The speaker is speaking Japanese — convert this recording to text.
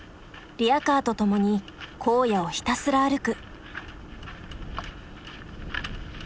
リヤカーと共に荒野をひたすら歩く。